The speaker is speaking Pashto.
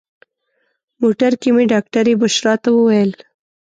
موټر کې مې ډاکټرې بشرا ته وویل.